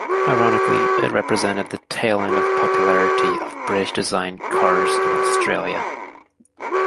Ironically, it represented the tail-end of popularity of British-designed cars in Australia.